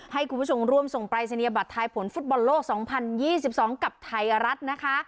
ให้คุณผู้ชมร่วมส่งปลายเสนียบัตรท้ายผลฟุตบอลโลกสองพันยี่สิบสองกับไทยรัฐนะคะ